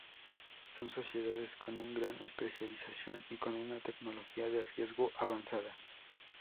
Son sociedades con una gran especialización y con una tecnología de riego avanzada.